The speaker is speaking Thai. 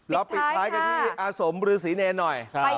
แล้วปิดท้ายค่ะแล้วปิดท้ายกันที่อสมฤษีเนญหน่อยครับ